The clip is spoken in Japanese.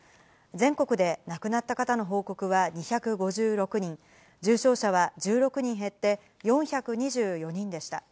全国で亡くなった方の報告は２５６人、重症者は１６人減って４２４人でした。